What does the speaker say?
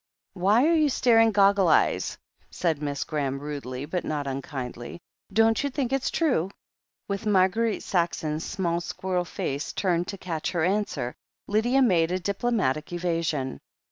'*Why are you staring, goggle eyes ?" said Miss Gra ham, rudely but not unkindly. "Don't you think it's trae?" With Marguerite Saxon's small, squirrel face turned to catch her answer, Lydia made a diplomatic evasion.